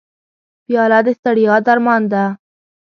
پیاله د ستړیا درمان ده.